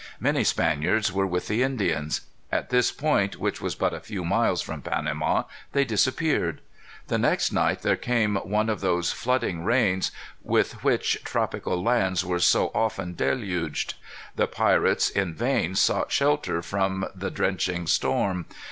Many Spaniards were with the Indians. At this point, which was but a few miles from Panama, they disappeared. The next night there came one of those flooding rains with which tropical lands were so often deluged. The pirates in vain sought shelter from the drenching storm.